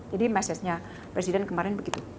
jadi message nya presiden kemarin begitu